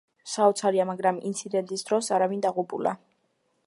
საოცარია, მაგრამ ინცინდენტის დროს არავინ დაღუპულა.